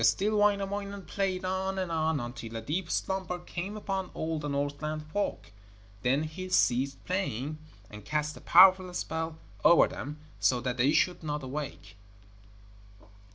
Still Wainamoinen played on and on, until a deep slumber came upon all the Northland folk. Then he ceased playing, and cast a powerful spell over them, so that they should not awake.